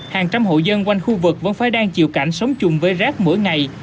hàng trăm hộ dân quanh khu vực vẫn phải đang chịu cảnh sống chung với rác mỗi ngày